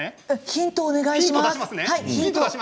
ヒントお願いします。